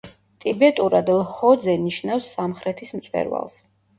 ტიბეტურად ლჰოძე ნიშნავს „სამხრეთის მწვერვალს“.